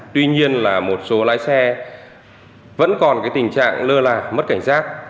tuy nhiên là một số lái xe vẫn còn cái tình trạng lơ là mất cảnh giác